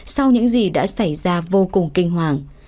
sau những gì đã xảy ra vô cùng kinh hoàng